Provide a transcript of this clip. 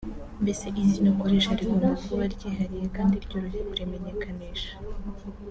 mbese izina ukoresha rigomba kuba ryihariye kandi ryoroshye kurimenyekanisha